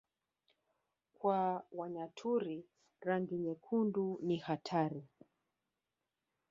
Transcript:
Kwa Wanyaturu rangi nyekundu ni hatari